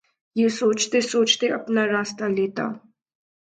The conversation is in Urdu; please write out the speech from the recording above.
یہ سوچتے سوچتے اپنا راستہ لیتا